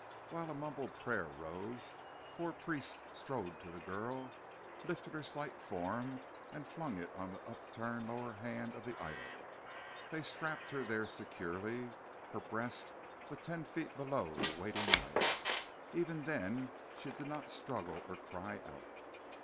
While a mumbled prayer rose, four priests strode to the girl, lifted her slight form and flung it on the upturned lower band of the idol. They strapped her there securely, her breast but ten feet below the waiting knife. Even then she did not struggle or cry out.